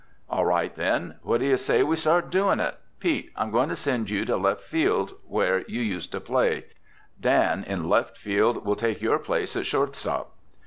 "All right, then. What do you say we start doing it? Pete, I'm going to send you to left field where you used to play. Dan, in left field, will take your place at shortstop."